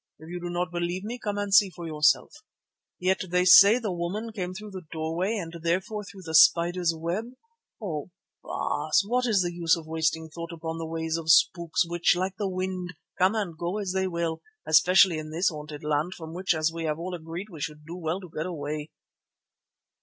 If you do not believe me, come and see for yourself. Yet they say the woman came through the doorway and therefore through the spider's web. Oh! Baas, what is the use of wasting thought upon the ways of spooks which, like the wind, come and go as they will, especially in this haunted land from which, as we have all agreed, we should do well to get away."